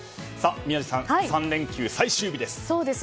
宮司さん、３連休最終日です。